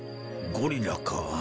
ゴリラか。